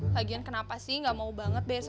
lagian kenapa sih gak mau banget bayar seratus ribu